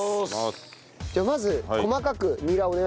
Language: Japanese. じゃあまず細かくニラお願いします。